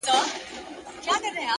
اخلاص د نیکۍ رنګ ژوروي،